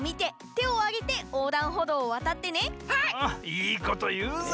いいこというぜ！